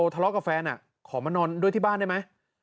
ทะเลาะกับแฟนขอมานอนด้วยที่บ้านได้ไหม